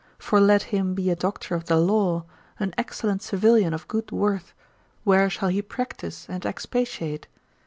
For let him be a doctor of the law, an excellent civilian of good worth, where shall he practise and expatiate?